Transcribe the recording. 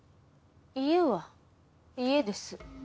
家は家です。